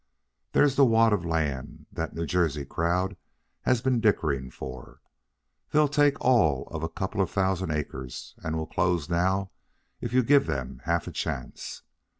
There's the wad of land that New Jersey crowd has been dickering for. They'll take all of a couple of thousand acres and will close now if you give them half a chance.